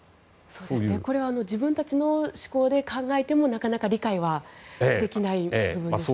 自分たちの思考で考えてもなかなか理解はできない部分ですよね。